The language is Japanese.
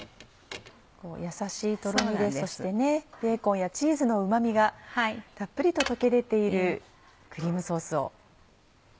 やさしいトロミでそしてベーコンやチーズのうま味がたっぷりと溶け出ているクリームソースを。